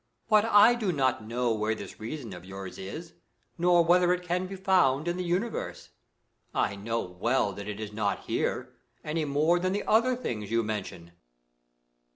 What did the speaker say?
But I do not know where this reason of yours is, nor whether it can be found in the universe. I know well that it is not here, any more than the other things you mention.